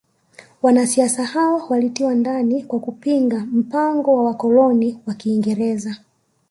Wanasiasa hao walitiwa ndani kwa kupinga mpango wa wakoloni wa kiingereza